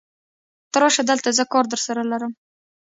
ته راشه دلته، زه کار درسره لرم.